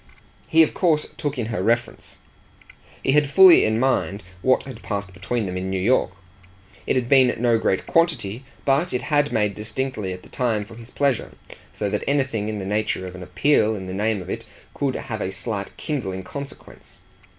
He of course took in her reference, and he had fully in mind what had passed between them in New York. It had been no great quantity, but it had made distinctly at the time for his pleasure; so that anything in the nature of an appeal in the name of it could have a slight kindling consequence.